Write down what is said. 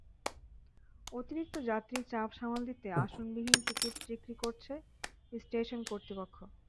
অতিরিক্ত যাত্রীর চাপ সামাল দিতে আসনবিহীন টিকিট বিক্রি করছে স্টেশন কর্তৃপক্ষ।